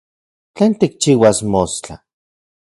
¿Tlen tikchiuas mostla?